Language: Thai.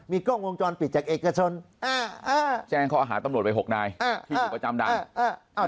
มีกล้องวงจรปิดจากเอกชนแจ้งเขาอาหารตำรวจไปหกนายที่ประจำดัง